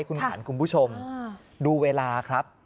คุณขวัญคุณผู้ชมดูเวลาครับ